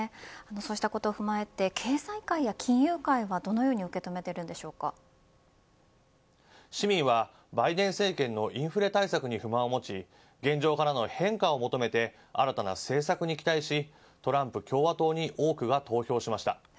そうしたことを踏まえて経済界や金融界はどのように市民はバイデン政権のインフレ対策に不満を持ち現状からの変化を求めて新たな政策に期待しトランプ共和党に多くが投票しました。